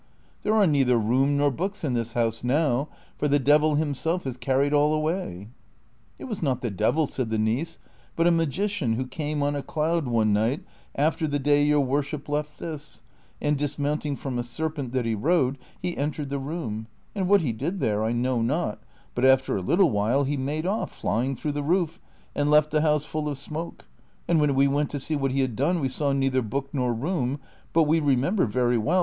There are neither room nor books in this house now, for the devil himself has carried all away." " It was not the devil," said the niece, " but a magician who came on a cloud one night after the day your worship left this, and dismounting from a serpent that he rode he entered the room, and what he did there I know not, but after a little while he made off, flying through the roof, and left the house full of smoke ; and Avhen we went to see what he had done we saw neither book nor room : but M^e remember very well